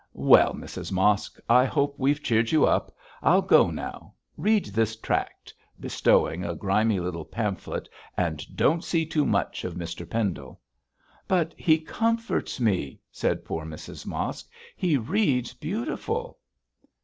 'Well, Mrs Mosk, I hope we've cheered you up. I'll go now. Read this tract,' bestowing a grimy little pamphlet, 'and don't see too much of Mr Pendle.' 'But he comforts me,' said poor Mrs Mosk; 'he reads beautiful.'